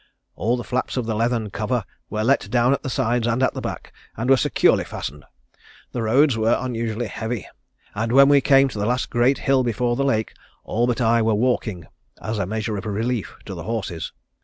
All the flaps of the leathern cover were let down at the sides and at the back, and were securely fastened. The roads were unusually heavy, and when we came to the last great hill before the lake all but I were walking, as a measure of relief to the horses.